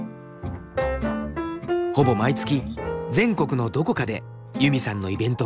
ほぼ毎月全国のどこかでユミさんのイベントが開かれているのだ。